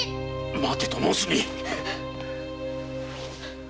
待てと申すに！